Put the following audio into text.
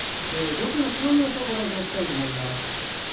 上空の気温の予想をご覧いただきたいと思います。